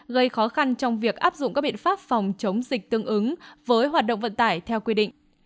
gây khó khăn trong việc áp dụng các biện pháp phòng chống dịch tương ứng với hoạt động vận tải theo quy định